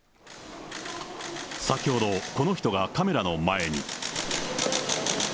先ほどこの人がカメラの前に。